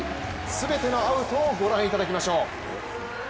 全てのアウトをご覧いただきましょう。